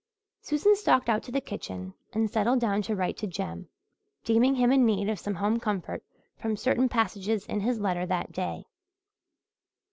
Susan stalked out to the kitchen and settled down to write to Jem; deeming him in need of some home comfort from certain passages in his letter that day.